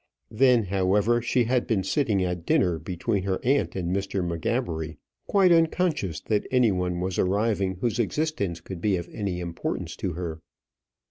Then, however, she had been sitting at dinner between her aunt and Mr. M'Gabbery, quite unconscious that any one was arriving whose existence could be of importance to her.